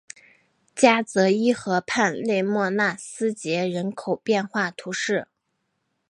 加泽伊河畔勒莫纳斯捷人口变化图示